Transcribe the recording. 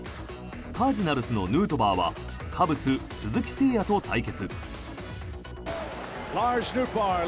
カージナルスのヌートバーはカブス鈴木誠也と対決。